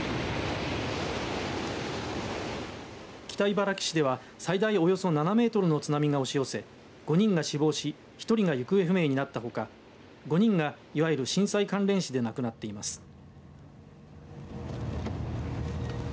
北茨城市では最大およそ７メートルの津波が押し寄せ５人が死亡し１人が行方不明になったほか５人が、いわゆる震災関連死で亡くなっています。